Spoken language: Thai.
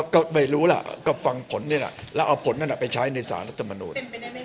ก็ไม่รู้ล่ะฟังผลนี้ล่ะแล้วเอาผลไปใช้ในสารรัฐมนต์